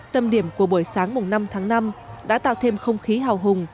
tâm điểm của buổi sáng năm tháng năm đã tạo thêm không khí hào hùng